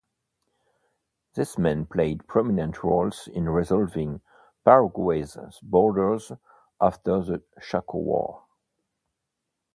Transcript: These men played prominent roles in resolving Paraguay's borders after the Chaco War.